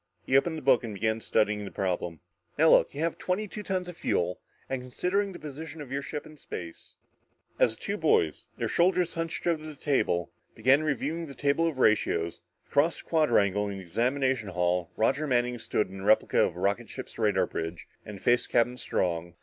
He opened the book and began studying the problem. "Now look you have twenty two tons of fuel and considering the position of your ship in space " As the two boys, their shoulders hunched over the table, began reviewing the table of ratios, across the quadrangle in the examination hall Roger Manning stood in a replica of a rocket ship's radar bridge and faced Captain Strong.